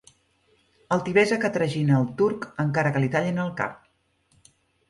Altivesa que tragina el turc encara que li tallin el cap.